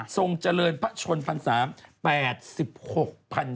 ทรงเจริญพระชนนาคมศาสตร์